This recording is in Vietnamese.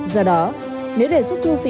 do đó nếu để xuất thu phí